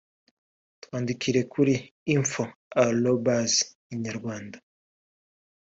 Twandikire kuri info@inyarwanda